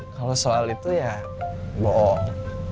kalau soal itu ya bohong